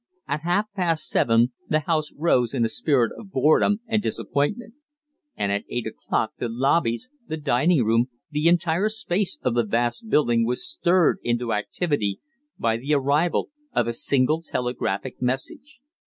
At half past seven the House rose in a spirit of boredom and disappointment; and at eight o'clock the lobbies, the dining room, the entire space of the vast building, was stirred into activity by the arrival of a single telegraphic message.